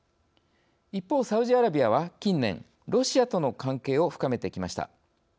一方サウジアラビアは近年ロシアとの関係を深めてきました。